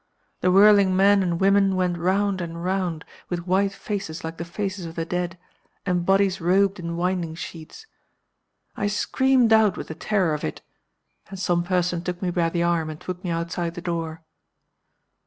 The whirling men and women went round and round, with white faces like the faces of the dead, and bodies robed in winding sheets. I screamed out with the terror of it; and some person took me by the arm and put me outside the door.